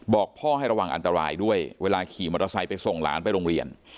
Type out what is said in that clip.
บอกพ่อให้ระวังอันตรายด้วยเวลาขี่มอเตอร์ไซค์ไปส่งหลานไปโรงเรียน